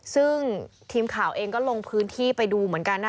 ซึ่งทีมข่าวเองก็ลงพื้นที่ไปดูเหมือนกันนะ